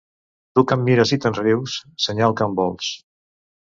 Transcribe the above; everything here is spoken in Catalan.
Tu que em mires i te'n rius, senyal que em vols.